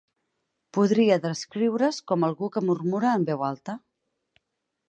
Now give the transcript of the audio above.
Podria descriure's com algú que murmura en veu alta.